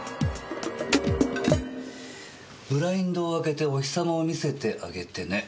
「ブラインドを開けてお日様を見せてあげてね」。